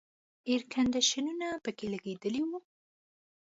اییر کنډیشنونه پکې لګېدلي وو.